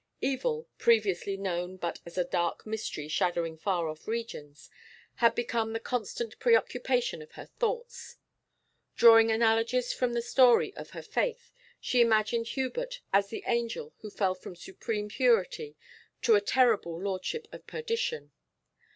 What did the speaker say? Evil, previously known but as a dark mystery shadowing far off regions, had become the constant preoccupation of her thoughts. Drawing analogies from the story of her faith, she imaged Hubert as the angel who fell from supreme purity to a terrible lordship of perdition.